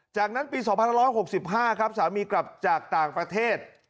จากนั้นปีสองพันร้อยหกสิบห้าครับสามีกลับจากต่างประเทศ